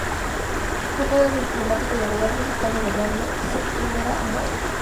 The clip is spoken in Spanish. Fue padre del diplomático y abogado mexicano Bernardo Sepúlveda Amor.